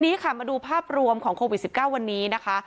ทีนี้ค่ะมาดูภาพรวมของโควิด๑๙วันนี้นะคะ